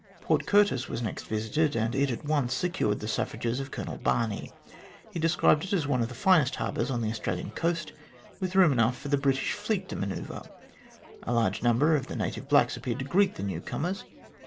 Port Curtis was next visited, and it at once secured the suffrages of Colonel Barney. He described it as one of the finest harbours on the Australian coast, with room enough for the British Fleet to manoeuvre. A large number of the native blacks appeared to greet the newcomers.